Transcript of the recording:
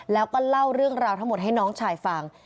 แล้วก็เล่าเรื่องราวทั้งหมดให้น้องชายฟัง